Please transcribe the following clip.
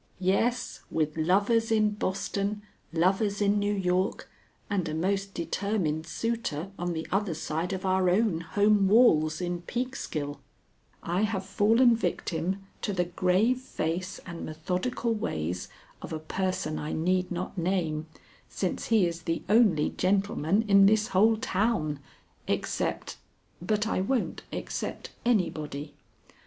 Yes, with lovers in Boston, lovers in New York, and a most determined suitor on the other side of our own home walls in Peekskill, I have fallen victim to the grave face and methodical ways of a person I need not name, since he is the only gentleman in this whole town, except But I won't except anybody.